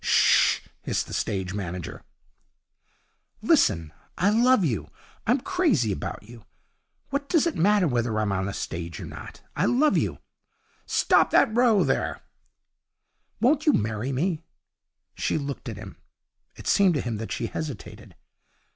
'Sh h!' hissed the stage manager. 'Listen! I love you. I'm crazy about you. What does it matter whether I'm on the stage or not? I love you.' 'Stop that row there!' 'Won't you marry me?' She looked at him. It seemed to him that she hesitated.